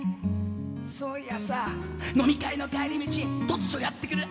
そういやさ飲み会の帰り道突如やって来る